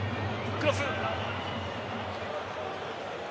クロス。